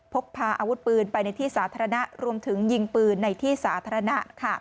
พกพาอาวุธปืนไปในที่สาธารณะรวมถึงยิงปืนในที่สาธารณะ